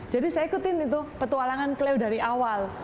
jadi saya ikutin itu petualangan kelew dari awal